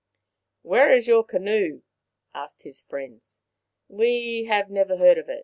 " Where is your canoe ?" asked his friends. " We have never heard of it."